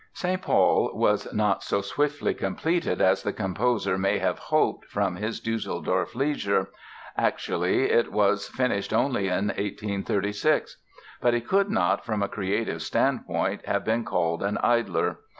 "St. Paul" was not so swiftly completed as the composer may have hoped from his Düsseldorf "leisure" (actually, it was finished only in 1836). But he could not, from a creative standpoint, have been called an idler.